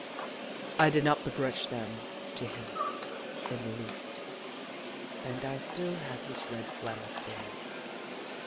I did not begrudge them to him in the least, and I still have his red flannel shawl.